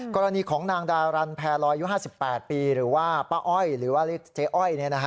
กรณีของนางดารันแพรลอยอายุ๕๘ปีหรือว่าป้าอ้อยหรือว่าเจ๊อ้อย